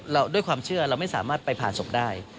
ด้วยความเชื่อเราไม่สามารถไปผ่าศพได้